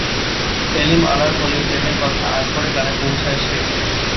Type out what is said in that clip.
সেলিম-আনারকলির প্রেমের কথা আকবরের কানে পৌঁছায় সে।